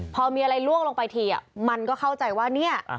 พอมีอะไรล่วงลงไปทีมันก็เข้าใจว่าเนี่ย